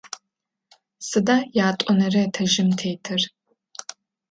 Сыда ятӏонэрэ этажым тетыр?